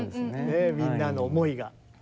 みんなの思いが。